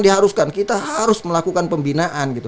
diharuskan kita harus melakukan pembinaan gitu